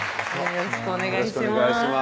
よろしくお願いします